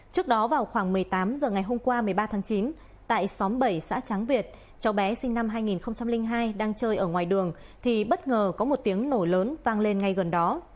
trước đó vào khoảng một mươi tám h ngày hôm qua một mươi ba tháng chín tại xóm bảy xã tráng việt cháu bé sinh năm hai nghìn hai đang chơi ở ngoài đường thì bất ngờ có một tiếng nổ lớn vang lên ngay gần đó